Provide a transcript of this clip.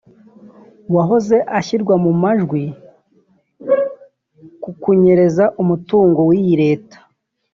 wahoze ashyirwa mu majwi ku kunyereza umutungo w’iyi Leta